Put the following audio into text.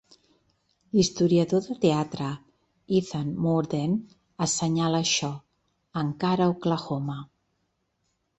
L'historiador de teatre Ethan Mordden assenyala això, "encara Oklahoma"!